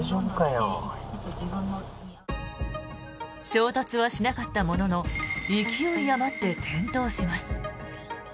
衝突はしなかったものの勢い余って転倒します。